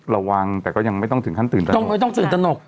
ระวังแต่ก็ยังไม่ต้องถึงขั้นตื่นตนก